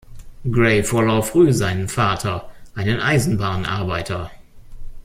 Gray verlor früh seinen Vater, einen Eisenbahnarbeiter.